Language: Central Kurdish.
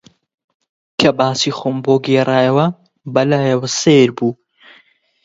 کە باسی خۆم بۆ گێڕایەوە، بە لایەوە سەیر بوو